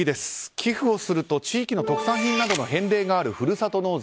寄付をすると地域の特産品などの返礼があるふるさと納税。